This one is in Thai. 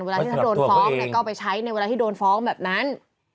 เวลาที่ถ้าโดนฟ้องก็เอาไปใช้ในเวลาที่โดนฟ้องแบบนั้น